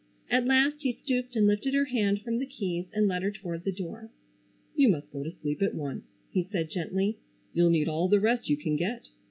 At last he stooped and lifted her hand from the keys and led her toward the door. "You must go to sleep at once," he said gently. "You'll need all the rest you can get."